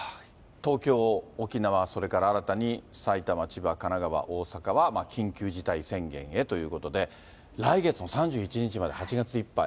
東京、沖縄、それから新たに埼玉、千葉、神奈川、大阪は緊急事態宣言へということで、来月の３１日まで８月いっぱい。